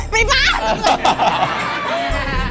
ไปบ้าน